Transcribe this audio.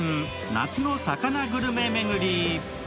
夏の魚グルメ巡り。